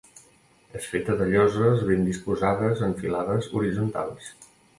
És feta de lloses ben disposades en filades horitzontals.